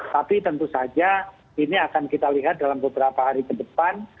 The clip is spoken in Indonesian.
tapi tentu saja ini akan kita lihat dalam beberapa hari ke depan